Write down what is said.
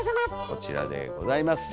こちらでございます。